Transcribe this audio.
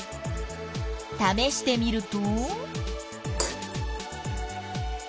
ためしてみると？